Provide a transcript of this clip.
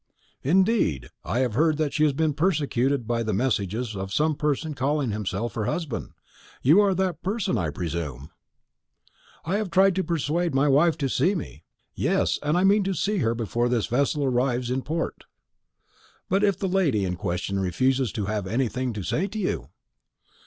"Indeed. I have heard that she has been persecuted by the messages of some person calling himself her husband. You are that person, I presume." "I have tried to persuade my wife to see me. Yes; and I mean to see her before this vessel arrives in port." "But if the lady in question refuses to have anything to say to you?"